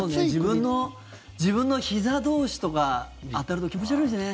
自分のひざ同士とか当たると、気持ち悪いですよね。